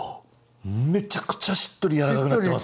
めちゃくちゃしっとり柔らかくなってますね。